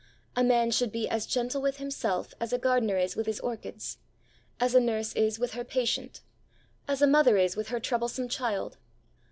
A man should be as gentle with himself as a gardener is with his orchids; as a nurse is with her patient; as a mother is with her troublesome child.